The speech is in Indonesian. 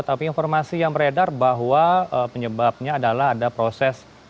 tapi informasi yang beredar bahwa penyebabnya adalah ada proses